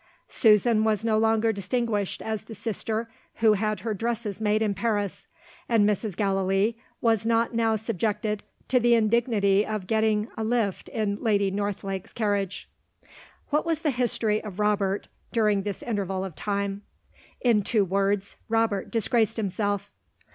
Susan was no longer distinguished as the sister who had her dresses made in Paris; and Mrs. Gallilee was not now subjected to the indignity of getting a lift in Lady Northlake's carriage. What was the history of Robert, during this interval of time? In two words, Robert disgraced himself.